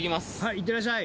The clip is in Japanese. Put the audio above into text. いってらっしゃい！